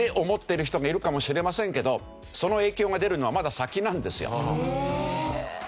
思ってる人がいるかもしれませんけどその影響が出るのはまだ先なんですよ。